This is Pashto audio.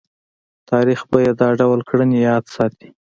تاریخ به یې دا ډول کړنې یاد ساتي.